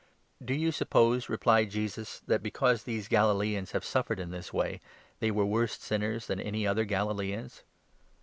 "Do you suppose," replied Jesus, "that, because these 2 Galilaeans have suffered in this way, they were worse sinners than any other Galilaeans